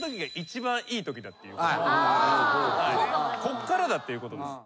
こっからだっていうことです。